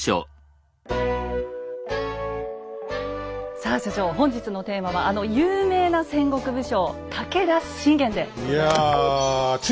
さあ所長本日のテーマはあの有名な戦国武将「武田信玄」でございます。